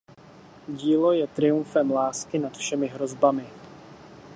Dílo je triumfem lásky nad všemi hrozbami.